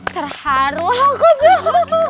terharu aku tuh